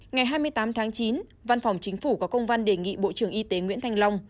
ngày hai mươi tám tháng chín văn phòng chính phủ có công văn đề nghị bộ trưởng y tế nguyễn thanh long